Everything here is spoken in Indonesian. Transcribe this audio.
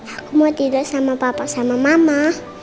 aku mau tidak sama papa sama mama